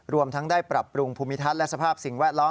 รวมทั้งได้ปรับปรุงภูมิทัศน์และสภาพสิ่งแวดล้อม